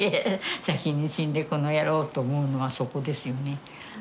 先に死んでこの野郎と思うのはそこですよね。